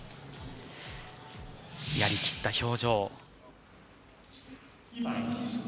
やりきった表情。